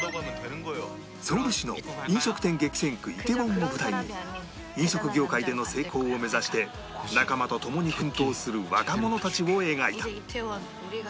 ソウル市の飲食店激戦区梨泰院を舞台に飲食業界での成功を目指して仲間とともに奮闘する若者たちを描いた